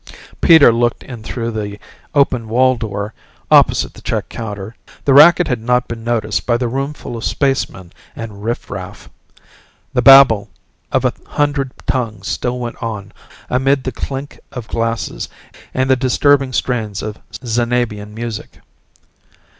Peter looked in through the open wall door opposite the check counter; the racket had not been noticed by the roomful of spacemen and riffraff. The babble of a hundred tongues still went on amid the clink of glasses and the disturbing strains of Xanabian music.